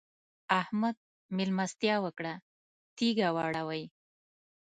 احمد؛ مېلمستيا وکړه - تيږه واړوئ.